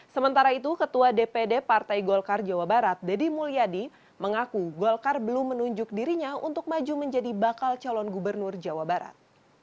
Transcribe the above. sementara itu ketua dpd partai golkar jawa barat deddy mulyadi mengaku golkar belum menunjuk dirinya untuk maju menjadi bakal calon gubernur jawa barat